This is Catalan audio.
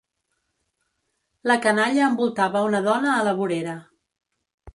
La canalla envoltava una dona a la vorera.